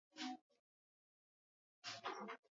Alifikia utaratibu wa kuulizwa maswali